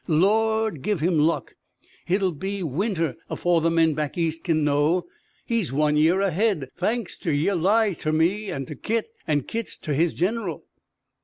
Lord give him luck! Hit'll be winter, afore the men back East kin know. He's one year ahead thanks ter yer lie ter me, an ter Kit, and Kit's ter his General.